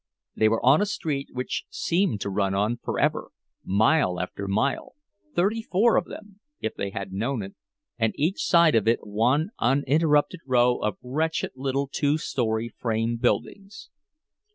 They were on a street which seemed to run on forever, mile after mile—thirty four of them, if they had known it—and each side of it one uninterrupted row of wretched little two story frame buildings.